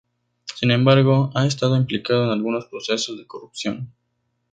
Sin embargo ha estado implicado en algunos procesos de corrupción.